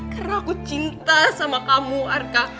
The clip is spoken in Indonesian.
karena aku cinta sama kamu arka